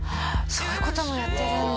そういうこともやってるんだ